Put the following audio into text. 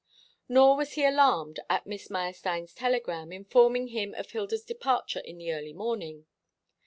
Nor was he alarmed at Miss Meyerstein's telegram, informing him of Hilda's departure in the early morning.